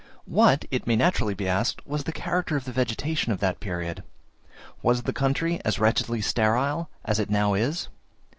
What, it may naturally be asked, was the character of the vegetation at that period; was the country as wretchedly sterile as it now is?